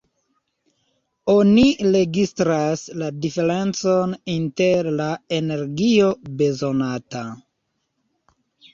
Oni registras la diferencon inter la energio bezonata.